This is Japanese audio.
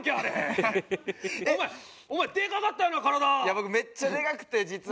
僕めっちゃでかくて実は。